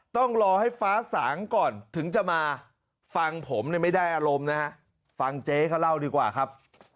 ต้องรอให้ฟ้าสางก่อนถึงจะมาฟังผมเนี่ยไม่ได้อารมณ์นะฮะฟังเจ๊เขาเล่าดีกว่าครับ